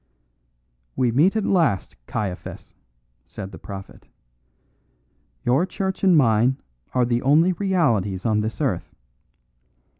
"We meet at last, Caiaphas," said the prophet. "Your church and mine are the only realities on this earth.